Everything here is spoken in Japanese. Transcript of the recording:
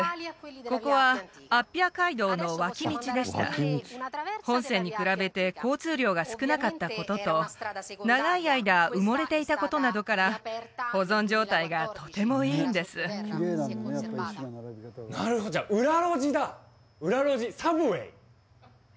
ここはアッピア街道の脇道でした本線に比べて交通量が少なかったことと長い間埋もれていたことなどから保存状態がとてもいいんですなるほどじゃあ裏